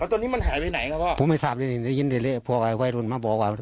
แล้วตอนนี้มันหายไปไหนครับพ่อผมไม่ทราบเลยยินเดี๋ยวเลยพ่อไวรุนมาบอกว่า